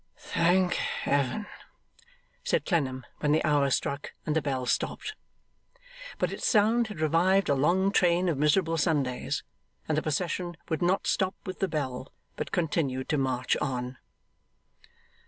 'Thank Heaven!' said Clennam, when the hour struck, and the bell stopped. But its sound had revived a long train of miserable Sundays, and the procession would not stop with the bell, but continued to march on.